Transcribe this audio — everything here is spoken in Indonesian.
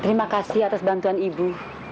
terima kasih atas bantuan ibu